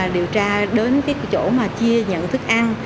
điều tra đến chỗ mà chia nhận thức ăn